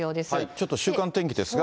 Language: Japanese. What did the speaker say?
ちょっと週間天気ですが。